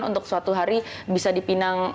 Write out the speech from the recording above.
untuk suatu hari bisa dipinang